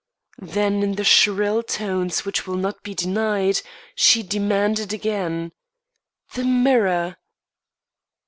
Then in the shrill tones which will not be denied, she demanded again, "The mirror!"